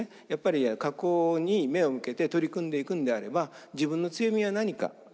やっぱり加工に目を向けて取り組んでいくんであれば自分の強みは何か。